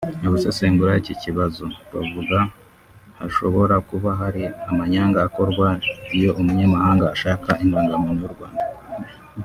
Abasesengura iki kibazo bavuga hashobora kuba hari amanyanga akorwa iyo umunyamahanga ashaka indangamuntu y’u Rwanda